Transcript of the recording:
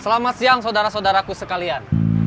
selamat siang saudara saudaraku sekalian